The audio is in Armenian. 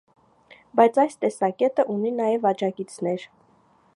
Բայց այս տեսակետը ունի նաև աջակիցներ։